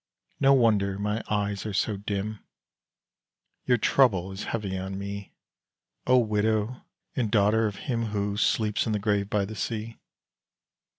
No wonder my eyes are so dim Your trouble is heavy on me, O widow and daughter of him Who sleeps in the grave by the sea!